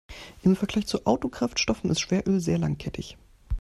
Im Vergleich zu Autokraftstoffen ist Schweröl sehr langkettig.